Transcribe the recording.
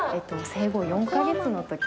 生後４カ月の時。